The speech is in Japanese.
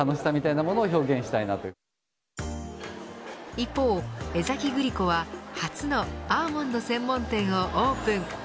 一方、江崎グリコは初のアーモンド専門店をオープン。